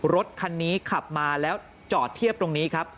รถคันนี้ขับมาแล้วจอดเทียบตรงนี้ครับ